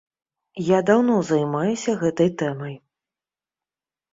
Я даўно займаюся гэтай тэмай.